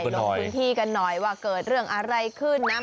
ลงพื้นที่กันหน่อยว่าเกิดเรื่องอะไรขึ้นนะ